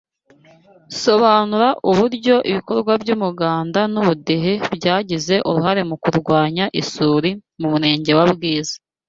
Sobanura uburyo ibikorwa by’umuganda n’ubudehe byagize uruhare mu kurwanya isuri mu murenge wa Bwiza.